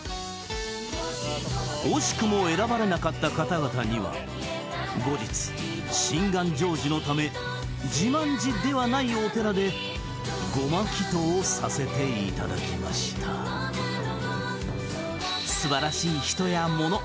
惜しくも選ばれなかった方々には後日心願成就のため自慢寺ではないお寺で護摩祈祷させていただきましたすばらしい人やもの